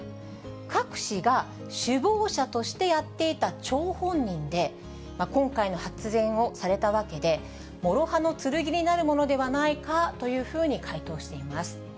クァク氏が首謀者としてやっていた張本人で、今回の発言をされたわけで、諸刃の剣になるものではないかというふうに回答しています。